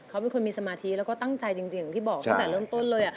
เขาเป็นคนมีสมาธิแล้วก็ตั้งใจจริงอย่างที่บอกตั้งแต่เริ่มต้นเลย